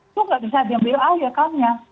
itu nggak bisa diambil awal ya kami ya